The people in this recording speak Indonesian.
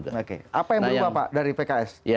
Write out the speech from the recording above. oke apa yang berubah pak dari pks